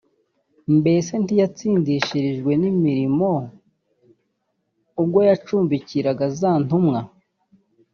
Mbese ntiyatsindishirijwe n'imirimo ubwo yacumbikiraga za ntumwa